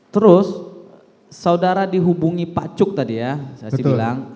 terus saudara dihubungi pak cuk tadi ya saksi bilang